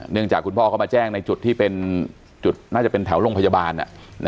จากคุณพ่อเขามาแจ้งในจุดที่เป็นจุดน่าจะเป็นแถวโรงพยาบาล